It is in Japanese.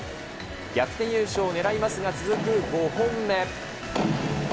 逆転優勝をねらいますが、続く５本目。